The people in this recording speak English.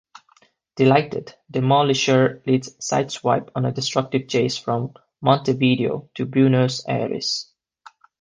Delighted, Demolishor leads Sideswipe on a destructive chase from Montevideo to Buenos Aires.